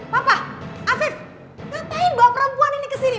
papa afif ngapain bawa perempuan ini ke sini